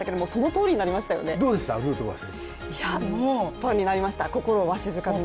ファンになりました、心をわしづかみに。